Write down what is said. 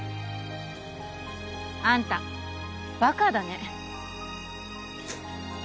あんたバカだね